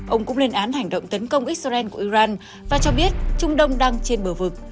ông cũng lên án hành động tấn công israel của iran và cho biết trung đông đang trên bờ vực